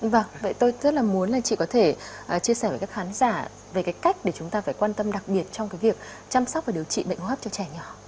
vâng vậy tôi rất là muốn là chị có thể chia sẻ với các khán giả về cái cách để chúng ta phải quan tâm đặc biệt trong cái việc chăm sóc và điều trị bệnh hô hấp cho trẻ nhỏ